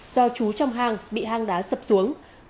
do chú trong hang bị hang đá sập xuống